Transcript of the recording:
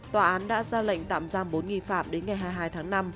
tòa án đã ra lệnh tạm giam bốn nghi phạm đến ngày hai mươi hai tháng năm